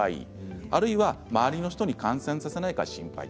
あるいは周りの人に感染させないか心配。